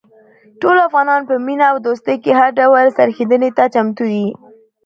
ټول افغانان په مینه او دوستۍ کې هر ډول سرښندنې ته چمتو دي.